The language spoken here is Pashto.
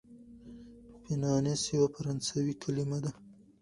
فینانس یوه فرانسوي کلمه ده.